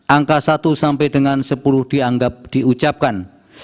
angka satu sampai dengan sepuluh dianggap diucapkan